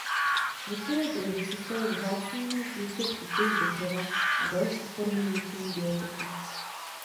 Některé druhy se staly vzácnými v důsledku těžby dřeva a další formy ničení biotopů.